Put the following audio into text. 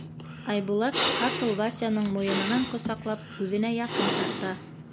Айбулат ҡапыл Васяның муйынынан ҡосаҡлап үҙенә яҡын тарта.